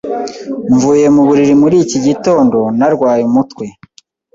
Mvuye mu buriri muri iki gitondo, narwaye umutwe.